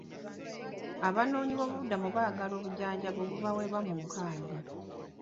Abanoonyibobubuddamu baagala obujjanjabi obubaweebwa mu nkambi.